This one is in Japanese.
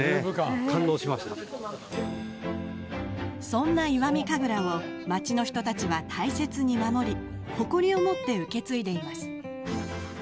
そんな石見神楽を町の人たちは大切に守り誇りを持って受け継いでいます。